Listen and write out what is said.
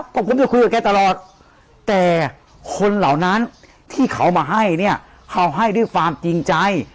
ก็ผมจะคุยกับแกตลอดแต่คนเหล่านั้นที่เขามาให้เนี่ยเขาให้ด้วยความจริงใจ